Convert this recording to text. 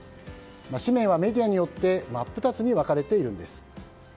紙面はメディアによって真っ二つに分かれているんです。